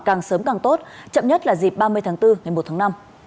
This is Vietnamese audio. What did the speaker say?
càng sớm càng tốt chậm nhất là dịp ba mươi tháng bốn ngày một tháng năm